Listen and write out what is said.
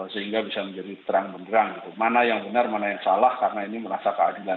sehingga bisa menjadi terang benerang mana yang benar mana yang salah karena ini merasa keadilan